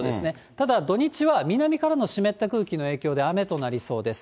ただ、土日は南からの湿った空気の影響で雨となりそうです。